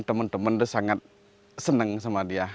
teman teman sangat senang sama dia